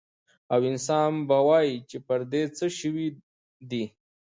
او انسان به ووايي چې پر دې څه شوي دي؟